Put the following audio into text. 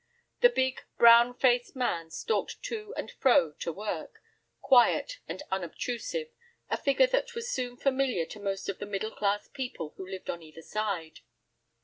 The big, brown faced man stalked to and fro to work, quiet and unobtrusive, a figure that was soon familiar to most of the middle class people who lived on either side.